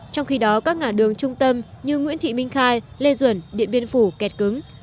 trong khi đó các ngã đường trung tâm như nguyễn thị minh khai lê duẩn điện biên phủ kẹt cứng